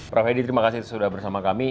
prof edi terima kasih sudah bersama kami